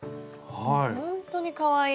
ほんとにかわいい！